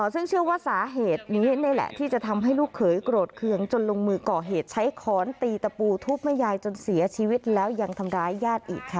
ซึ่งเชื่อว่าสาเหตุนี้นี่แหละที่จะทำให้ลูกเขยโกรธเคืองจนลงมือก่อเหตุใช้ขอนตีตะปูทุบแม่ยายจนเสียชีวิตแล้วยังทำร้ายญาติอีกค่ะ